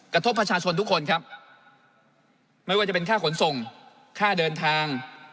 กระทบประชาชนทุกคนครับไม่ว่าจะเป็นค่าขนส่งค่าเดินทาง